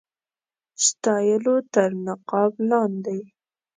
ستایلو تر نقاب لاندي.